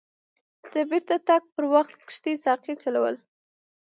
د بیرته تګ پر وخت کښتۍ ساقي چلول.